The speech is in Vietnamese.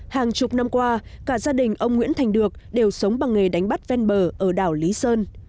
hàng chục năm qua cả gia đình ông nguyễn thành được đều sống bằng nghề đánh bắt ven bờ ở đảo lý sơn